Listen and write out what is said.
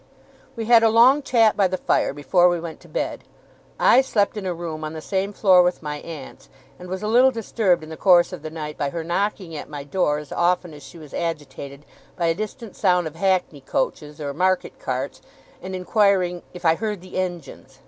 We had a long chat by the fire before we went to bed. I slept in a room on the same floor with my aunt's, and was a little disturbed in the course of the night by her knocking at my door as often as she was agitated by a distant sound of hackney coaches or market carts, and inquiring, 'if I heard the engines?